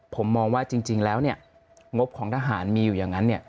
ผมมองว่าจริงแล้วงบของทหารมีอยู่อย่างนั้น